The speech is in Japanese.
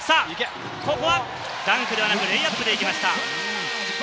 ここはダンクではなく、レイアップで行きました。